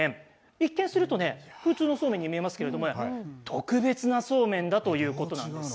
一見するとね普通のそうめんに見えますけど特別なそうめんだということなんです。